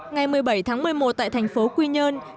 ngày một mươi bảy tháng một mươi một tại thành phố quy nhơn